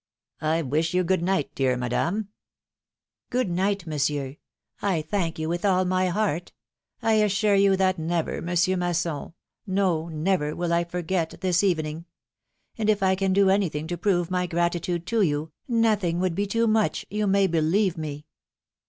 I wish you good night, dear Madame." Good night, Monsieur; I thank you with all my heart. I assure you that never. Monsieur Masson, no, never, will I forget this evening ; and if I can do any thing to prove my gratitude to you, nothing would be too much, you may believe me."